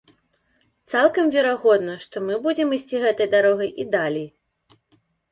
Цалкам верагодна, што мы будзем ісці гэтай дарогай і далей.